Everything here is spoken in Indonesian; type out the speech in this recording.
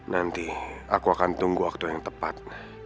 nanti aku akan tunggu waktu yang tepat